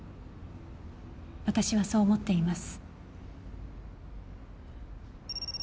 私はそう思っています。